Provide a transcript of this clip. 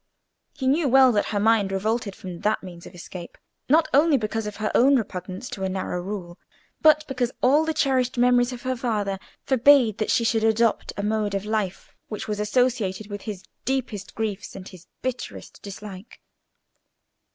He knew well that her mind revolted from that means of escape, not only because of her own repugnance to a narrow rule, but because all the cherished memories of her father forbade that she should adopt a mode of life which was associated with his deepest griefs and his bitterest dislike.